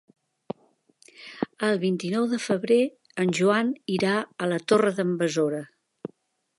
El vint-i-nou de febrer en Joan irà a la Torre d'en Besora.